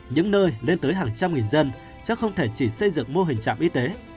những nơi lên tới hàng trăm nghìn dân chứ không thể chỉ xây dựng mô hình trạm y tế